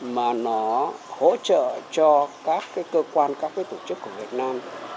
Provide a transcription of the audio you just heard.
mà nó hỗ trợ cho các cơ quan các tổ chức của việt nam